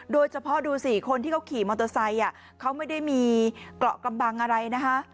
ดูสิคนที่เขาขี่มอเตอร์ไซค์เขาไม่ได้มีเกาะกำบังอะไรนะคะ